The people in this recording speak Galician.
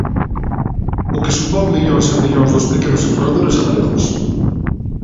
O que supón millóns e millóns dos pequenos aforradores galegos.